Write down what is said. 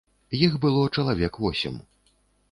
Іх было чалавек восем.